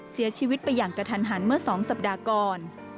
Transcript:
เสียชีวิตไปอย่างกระทันหันเมื่อ๒สัปดาห์ก่อน